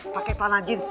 pake tanah jin